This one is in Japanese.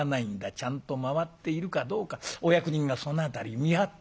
ちゃんと回っているかどうかお役人がその辺り見張ってますんでね